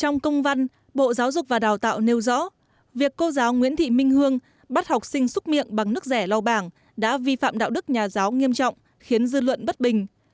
trong công văn bộ giáo dục và đào tạo nêu rõ việc cô giáo nguyễn thị minh hương bắt học sinh xúc miệng bằng nước rẻ lao bảng đã vi phạm đạo đức nhà giáo nghiêm trọng khiến dư luận bất bình